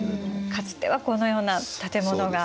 かつてはこのような建物が。